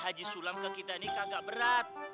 haji sulam ke kita ini kagak berat